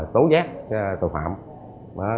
tố giác tội phạm